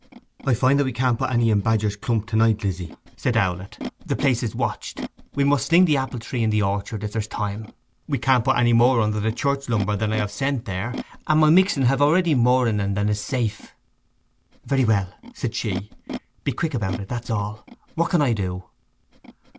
'I find that we can't put any in Badger's Clump to night, Lizzy,' said Owlett. 'The place is watched. We must sling the apple tree in the orchet if there's time. We can't put any more under the church lumber than I have sent on there, and my mixen hev already more in en than is safe.' 'Very well,' she said. 'Be quick about it—that's all. What can I do?